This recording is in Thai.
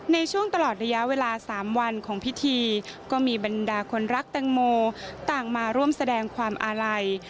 ในช่วงตลอดระยะเวลา๓วันของพิธีก็มีบรรดาคนรักแตงโมต่างมาร่วมแสดงความอาลัย